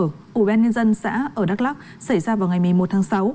của bên nhân dân xã ở đắk lóc xảy ra vào ngày một mươi một tháng sáu